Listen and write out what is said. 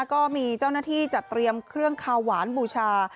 ก็มีเจ้าหน้าที่จัดเตรียมเครื่องคาวหวานบูชา